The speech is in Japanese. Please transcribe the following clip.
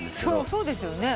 そうですよね。